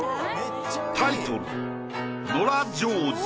タイトル